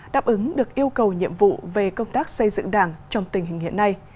đáp ứng được yêu cầu nhiệm vụ về công tác xây dựng đảng trong tình hình hiện nay